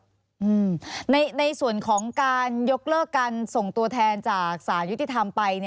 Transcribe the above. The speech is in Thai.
ในส่วนของการยกเลิกการส่งตัวแทนจากสารยุติธรรมไป